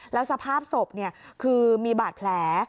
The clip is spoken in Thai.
แล้วสภาพศพคือมีบาดแผล